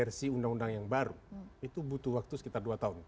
versi undang undang yang baru itu butuh waktu sekitar dua tahun